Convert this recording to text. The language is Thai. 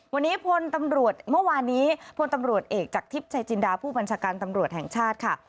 วันนี้พลตำรวจเมื่อวานนี้พลตำรวจเอกจากทิพย์ชายจินดาผู้บัญชาการตำรวจแห่งชาติค่ะ